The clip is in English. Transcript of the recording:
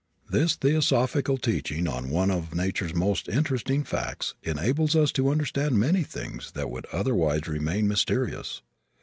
This theosophical teaching on one of nature's most interesting facts enables us to understand many things that would otherwise remain mysterious.